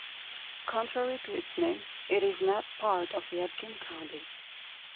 Contrary to its name, it is not part of Yadkin County.